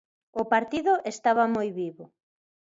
O partido estaba moi vivo.